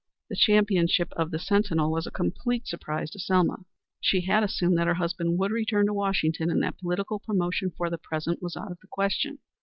The championship of the Sentinel was a complete surprise to Selma. She had assumed that her husband would return to Washington, and that political promotion for the present was out of the question.